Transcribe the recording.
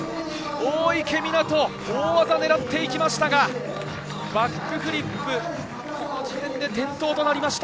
大池水杜、大技を狙っていきましたが、バックフリップ、この時点で転倒となりました。